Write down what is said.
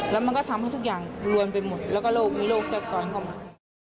แล้วมันก็ทำให้ทุกอย่างรวมไปหมดแล้วก็โรคมีโรคแทรกซ้อนเข้ามา